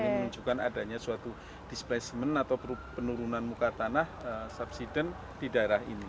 ini menunjukkan adanya suatu displacement atau penurunan muka tanah subsiden di daerah ini